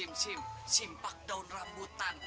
sim sim simpak daun rambutan